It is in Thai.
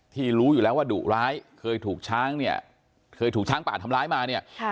รู้อยู่แล้วว่าดุร้ายเคยถูกช้างเนี่ยเคยถูกช้างป่าทำร้ายมาเนี่ย